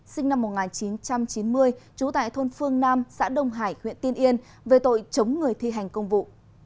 sinh năm một nghìn chín trăm chín mươi trú tại thôn phương nam xã đông hải huyện tiên yên về tội chống người thi hành công vụ